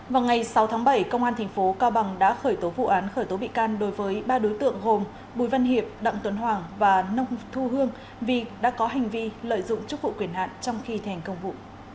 vào ngày sáu tháng bảy công an tp cao bằng đã khởi tố vụ án khởi tố bị can đối với ba đối tượng gồm bùi văn hiệp đặng tuấn hoàng và nông thu hương vì đã có hành vi lợi dụng chức vụ quyền hạn trong khi thành công vụ